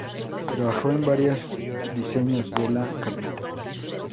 Trabajó en varios diseños de la capital.